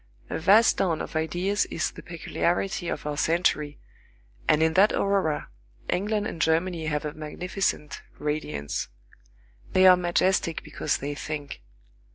A vast dawn of ideas is the peculiarity of our century, and in that aurora England and Germany have a magnificent radiance. They are majestic because they think.